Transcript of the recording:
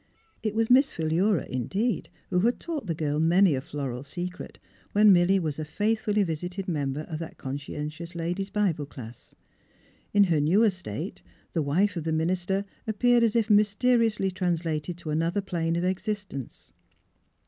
It was *' Miss Philura," indeed, who had taught the girl many a floral secret when Milly was a faithfully visited member of that conscientious lady's Bible Class. In her new estate the wife of the minister appeared as if mysteriously translated to another plane of existence.